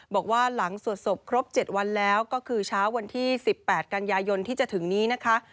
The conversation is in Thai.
บอกว่าหลังสวดศพครบ๗วันแล้วก็คือเช้าวันที่๑๘กันยายนที่จะถึงนี้นะคะ